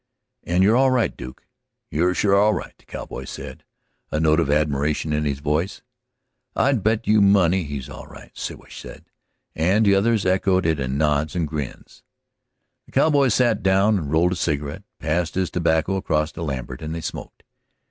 "And you're all right, Duke, you're sure all right," the cowboy said, a note of admiration in his voice. "I'd bet you money he's all right," Siwash said, and the others echoed it in nods and grins. The cowboy sat down and rolled a cigarette, passed his tobacco across to Lambert, and they smoked.